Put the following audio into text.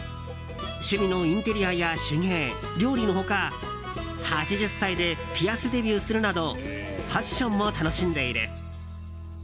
趣味のインテリアや手芸、料理の他８０歳でピアスデビューするなどファッションも楽しんでいる。